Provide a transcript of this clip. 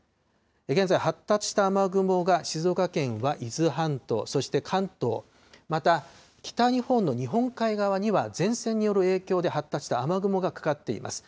現在、発達した雨雲が静岡県は伊豆半島、そして関東、また北日本の日本海側には前線による影響で発達した雨雲がかかっています。